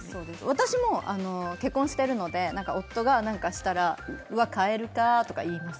私も結婚しているので夫がなんかしたらうわ、蛙化とか言います。